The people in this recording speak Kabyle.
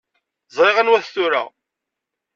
Ẓriɣ anwa-t tura.